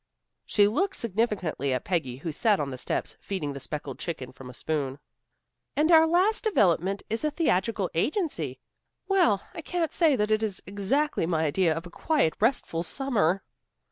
She looked significantly at Peggy who sat on the steps, feeding the speckled chicken from a spoon. "And our last development is a theatrical agency. Well, I can't say that it is exactly my idea of a quiet, restful summer."